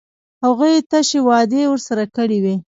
هغوی تشې وعدې ورسره کړې وې.